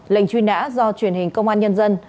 lệnh truy nã do truyền hình công an nhân dân